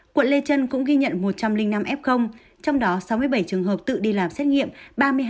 quận lê trân cũng ghi nhận một trăm linh năm f trong đó sáu mươi bảy trường hợp tự đi làm xét nghiệm